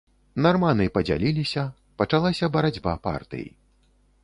Нарманы падзяліліся, пачалася барацьба партый.